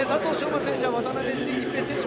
馬選手渡辺一平選手